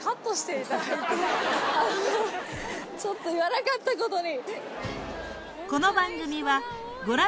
ちょっと言わなかったことに。